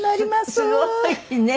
すごいね。